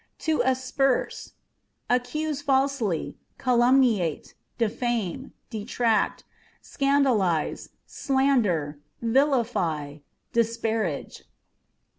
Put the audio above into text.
To Asperse â€" accuse falsely, calumniate, defame, detract, scan dalize, slander, vilify, disparage.